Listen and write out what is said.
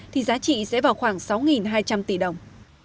thì giá trị sẽ vào khoảng sáu hai trăm linh tỷ đồng